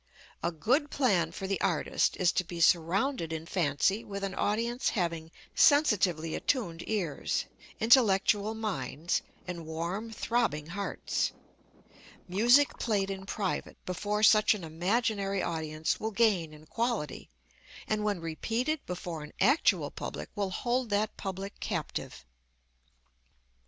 A good plan for the artist is to be surrounded in fancy with an audience having sensitively attuned ears, intellectual minds, and warm, throbbing hearts. Music played in private before such an imaginary audience will gain in quality, and when repeated before an actual public will hold that public captive.